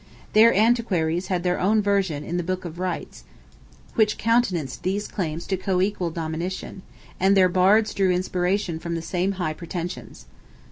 Their antiquaries had their own version in of "the Book of Rights," which countenanced these claims to co equal dominion, and their Bards drew inspiration from the same high pretensions.